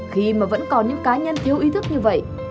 khi mà vẫn còn những cá nhân thiếu ý thức như vậy